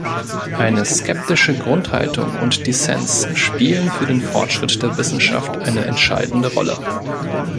Eine skeptische Grundhaltung und Dissens spielen für den Fortschritt der Wissenschaft eine entscheidende Rolle.